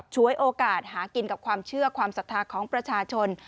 ช่วยโอกาสหากินกับความเชื่อความศรัทธาของประชาชน